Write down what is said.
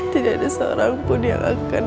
tidak ada seorang pun yang akan